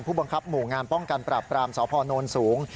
ผู้บังคับหมู่งานป้องกันปราบปรามสพโนนสูง